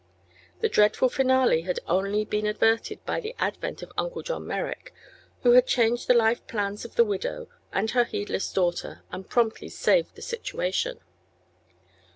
The dreadful finale had only been averted by the advent of Uncle John Merrick, who had changed the life plans of the widow and her heedless daughter and promptly saved the situation.